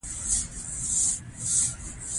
که د سوات او کالام سمسورتیا یوې غاړې ته کړو.